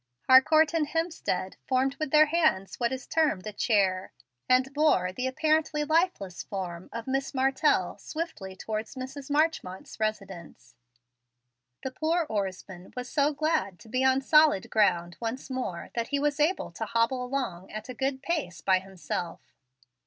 Harcourt and Hemstead formed with their hands what is termed a "chair," and bore the apparently lifeless form of Miss Martell swiftly towards Mrs. Marchmont's residence. The poor oarsman was so glad to be on solid ground once more that he was able to hobble along at a good pace by himself.